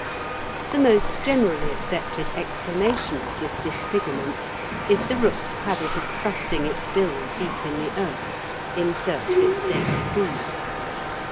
The most generally accepted explanation of this disfigurement is the rook's habit of thrusting its bill deep in the earth in search of its daily food.